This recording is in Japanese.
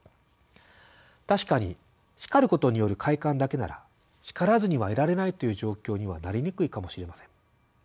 確かに叱ることによる快感だけなら「叱らずにはいられない」という状況にはなりにくいかもしれません。